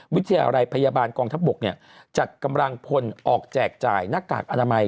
วิทยาลัยพยาบาลกองทัพบกจัดกำลังพลออกแจกจ่ายหน้ากากอนามัย